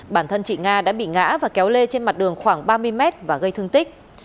bản thân chị nga đã bị ngã và kéo lê trên mặt đường khoảng ba mươi mét và gây thương tích